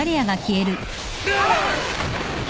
うわっ！